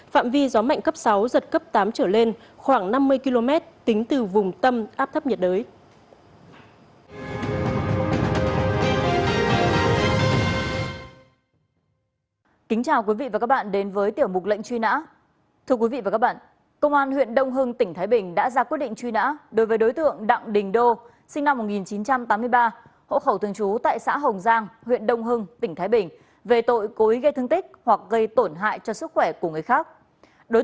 phạm vi gió mạnh cấp sáu giật cấp tám trở lên khoảng năm mươi km tính từ vùng tâm áp thấp nhiệt đới